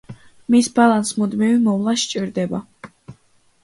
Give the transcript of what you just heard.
მის ბალანს მუდმივი მოვლა სჭირდება.